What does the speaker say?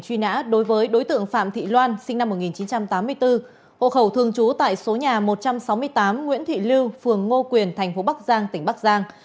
hội khẩu thường trú tại số nhà một trăm sáu mươi tám nguyễn thị lưu phường ngô quyền thành phố bắc giang tỉnh bắc giang